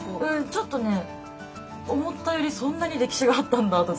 ちょっとね思ったよりそんなに歴史があったんだとか。